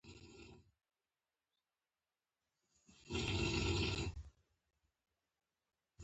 مونسټارټ الفینستون ور ولېږی.